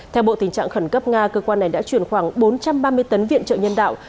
theo bộ tình trạng khẩn cấp nga cơ quan này đã chuyển khoảng bốn trăm ba mươi tấn viện trợ nhân đạo